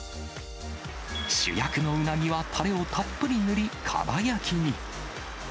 主役のうなぎは、たれをたっぷり塗り、かば焼きに。